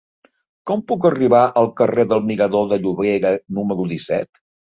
Com puc arribar al carrer del Mirador de Llobera número disset?